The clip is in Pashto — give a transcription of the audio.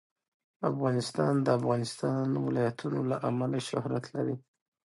افغانستان د د افغانستان ولايتونه له امله شهرت لري.